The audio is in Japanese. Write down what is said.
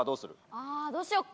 ああどうしようか？